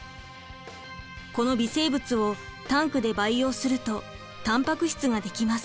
この微生物をタンクで培養するとたんぱく質が出来ます。